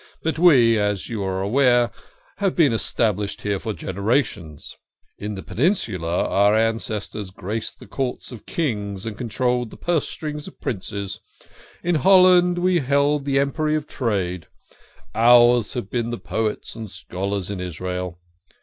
But we, as you are aware, have been established here for generations ; THE KING OF SCHNORRERS. 13 in the Peninsula our ancestors graced the courts of kings, and controlled the purse strings of princes ; in Holland we held the empery of trade. Ours have been the poets and scholars in Israel.